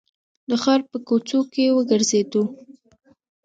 د ښار په کوڅو کې وګرځېدو.